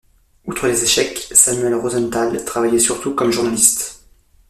Outre les échecs, Samuel Rosenthal travaillait surtout comme journaliste.